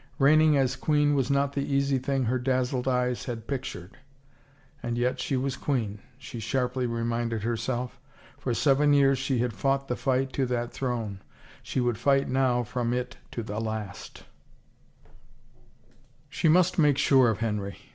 Reigning as queen was not the easy thing her dazzled eyes had pictured! ... And yet she was queen, she sharply reminded herself; for seven years she had fought the fight to that throne; she would fight now from it to the last I She must make sure of Henry.